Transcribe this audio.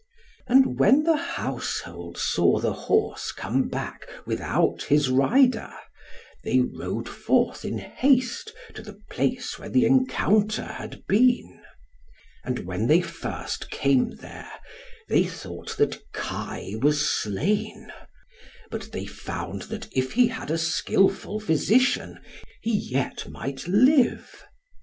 And when the household saw the horse come back without his rider, they rode forth in haste to the place where the encounter had been. And when they first came there, they thought that Kai was slain; but they found that if he had a skilful physician, he yet might live.